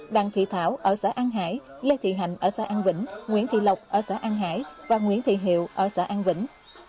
đặng thị thảo ở xã an hải lê thị hành ở xã an vĩnh nguyễn thị lộc ở xã an hải và nguyễn thị hiệu ở xã an vĩnh